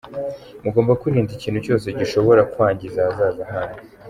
Mugomba kwirinda ikintu cyose gishobora kwangiza ahazaza hanyu."